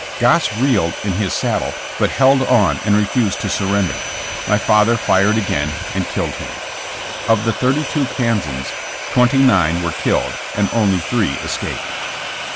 Goss reeled in his saddle but held on and refused to surrender. My father fired again and killed him. Of the thirty two Kansans, twenty nine were killed and only three escaped.